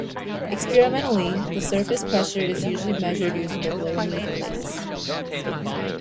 Experimentally, the surface pressure is usually measured using the Wilhelmy plate.